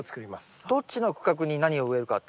どっちの区画に何を植えるかってどうしますか？